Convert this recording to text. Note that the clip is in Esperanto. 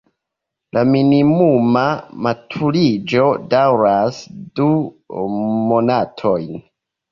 La minimuma maturiĝo daŭras du monatojn.